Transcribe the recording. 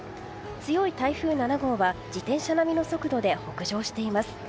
強い台風７号は自転車並みの速度で北上しています。